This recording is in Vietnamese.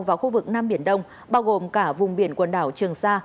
và khu vực nam biển đông bao gồm cả vùng biển quần đảo trường sa